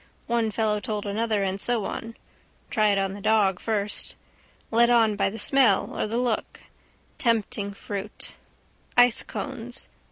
One fellow told another and so on. Try it on the dog first. Led on by the smell or the look. Tempting fruit. Ice cones.